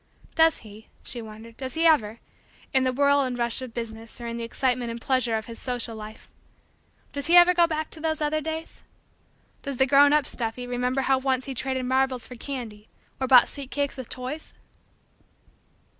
Does he, she wondered, does he ever in the whirl and rush of business or in the excitement and pleasure of his social life does he ever go back to those other days? Does the grown up "Stuffy" remember how once he traded marbles for candy or bought sweet cakes with toys?